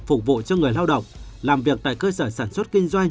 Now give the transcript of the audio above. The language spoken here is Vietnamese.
phục vụ cho người lao động làm việc tại cơ sở sản xuất kinh doanh